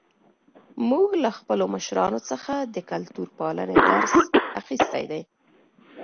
موږ له خپلو مشرانو څخه د کلتور پالنې درس اخیستی دی.